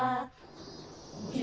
え？